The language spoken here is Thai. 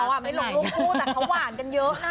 ไหนแม่